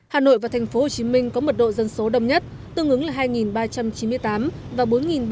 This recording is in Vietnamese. hà nội và thành phố hồ chí minh có mật độ dân số đông nhất tương ứng là hai ba trăm chín mươi tám và bốn ba trăm chín mươi tám